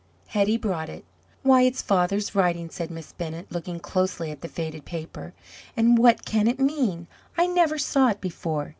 Hetty brought it. "Why, it's father's writing!" said Miss Bennett, looking closely at the faded paper; "and what can it mean? I never saw it before.